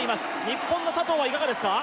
日本の佐藤はいかがですか？